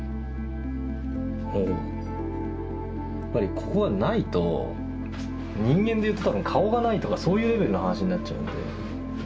やっぱりここはないと人間で言ったら顔がないとかそういうレベルの話になっちゃうんで。